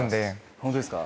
ホントですか？